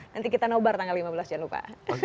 nanti kita nobar tanggal lima belas jangan lupa